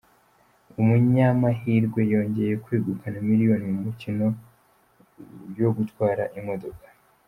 Umunyamahirwe yongeye kwegukana miliyoni mu mikino yogutwara Imodoka